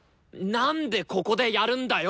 なんでここでやるんだよ！